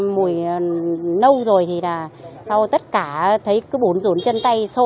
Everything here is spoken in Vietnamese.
mùi nâu rồi thì là sau tất cả thấy cứ bốn rốn chân tay sô